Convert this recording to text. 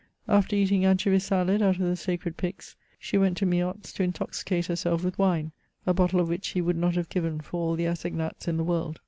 After eating anchovy salad out of the sacred pyx, she went to Meot's to intoxicate herself with wine, a bottle of which he would not have given for all the assignats in the world.